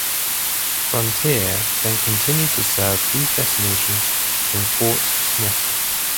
Frontier then continued to serve these destinations from Fort Smith.